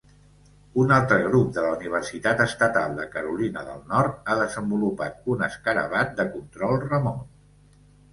Un altre grup de la Universitat Estatal de Carolina del Nord ha desenvolupat un escarabat de control remot.